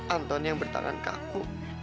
antoni yang bertangan kaku